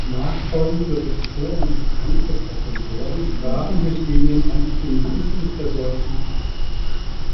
Nachfolgende Rektoren und andere Professoren sprachen sich gegen den Antisemitismus der Deutschen aus.